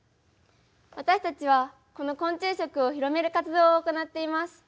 私たちはこの昆虫食を広める活動を行っています。